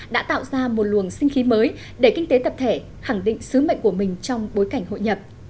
đã tạo ra một luồng sinh khí mới để kinh tế tập thể khẳng định sứ mệnh của mình trong bối cảnh hội nhập